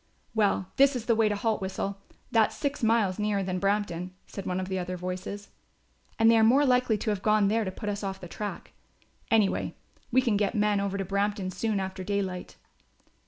"Well, this is the way to Haltwhistle; that's six miles nearer than Brampton," said one of the other voices, "and they are more likely to have gone there to put us off the track. Anyway, we can get men over to Brampton soon after daylight."